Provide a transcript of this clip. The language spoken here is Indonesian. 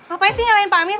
apa yang sih ngelain pak amir